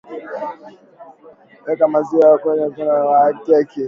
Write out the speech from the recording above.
weka maziwa kwenye mchanganyiko wa keki